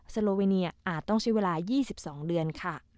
โลเวเนียอาจต้องใช้เวลา๒๒เดือนค่ะ